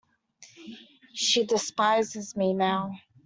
She despises me now.